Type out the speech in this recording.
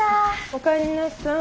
おかえりなさい。